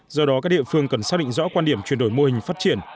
do đó các địa phương cần xác định rõ quan điểm chuyển đổi mô hình phát triển